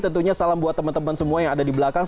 tentunya salam buat teman teman semua yang ada di belakang